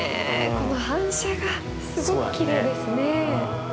この反射がすごくきれいですね。